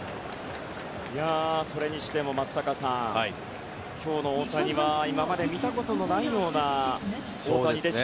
それにしても松坂さん、今日の大谷は今まで見たことないような大谷でした。